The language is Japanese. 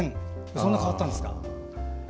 そんな変わったんですか？